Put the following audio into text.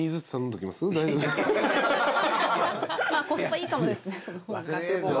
コスパいいかもですね